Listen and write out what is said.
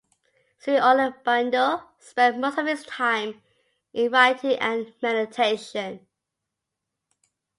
Sri Aurobindo spent most of his time in writing and meditation.